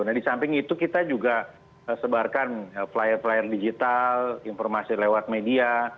nah di samping itu kita juga sebarkan flyer flyer digital informasi lewat media